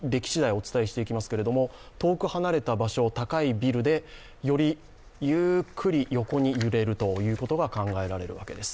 お伝えしていきますけれども遠く離れた場所、高いビルでよりゆーっくり揺れるということが考えられるわけです。